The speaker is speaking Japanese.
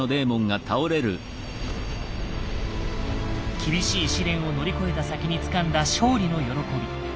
厳しい試練を乗り越えた先につかんだ勝利の喜び。